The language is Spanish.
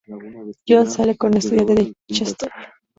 Jonny sale con una estudiante de Chester.